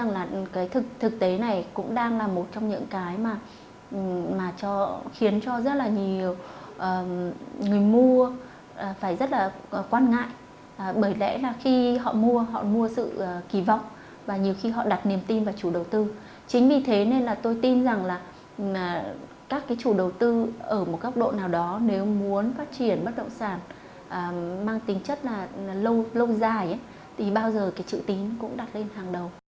nếu muốn phát triển bất động sản mang tính chất lâu dài thì bao giờ chữ tín cũng đặt lên hàng đầu